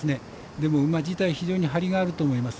でも、馬自体は非常にハリがあると思います。